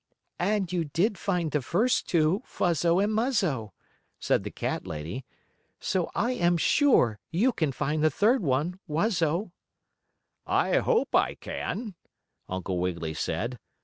"And you did find the first two, Fuzzo and Muzzo," said the cat lady. "So I am sure you can find the third one, Wuzzo." "I hope I can," Uncle Wiggily said.